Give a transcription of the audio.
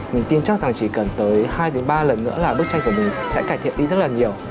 mình tin chắc rằng chỉ cần tới hai ba lần nữa là bức tranh của mình sẽ cải thiện đi rất là nhiều